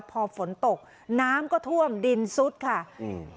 พอฝนตกน้ำก็ท่วมดินซุดค่ะอืม